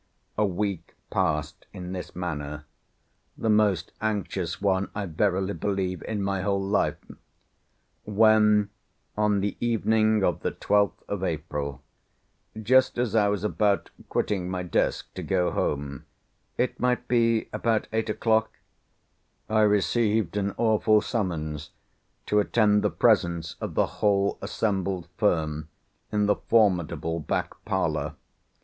A week passed in this manner, the most anxious one, I verily believe, in my whole life, when on the evening of the 12th of April, just as I was about quitting my desk to go home (it might be about eight o'clock) I received an awful summons to attend the presence of the whole assembled firm in the formidable back parlour.